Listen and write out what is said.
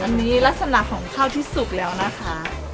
อันนี้ลักษณะของข้าวที่สุกแล้วนะคะ